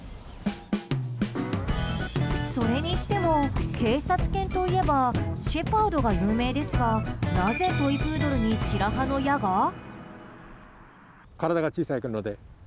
それにしても警察犬といえばシェパードが有名ですがなぜトイプードルに白羽の矢が？